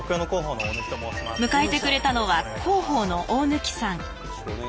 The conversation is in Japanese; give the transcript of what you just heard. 迎えてくれたのは広報の大貫さん。